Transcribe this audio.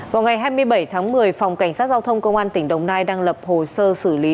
vào ngày hai mươi bảy tháng một mươi phòng cảnh sát giao thông công an tỉnh đồng nai đang lập hồ sơ xử lý